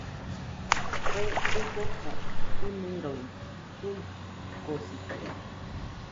Kue tɨfoka ɨniroi suikosite